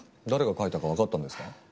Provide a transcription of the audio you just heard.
誰が書いたかわかったんですか？